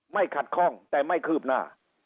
ไม่ขัดคล่องแต่ไม่คืบหน้า